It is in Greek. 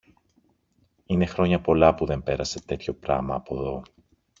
Είναι χρόνια πολλά που δεν πέρασε τέτοιο πράμα από δω.